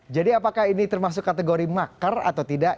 apakah ini termasuk kategori makar atau tidak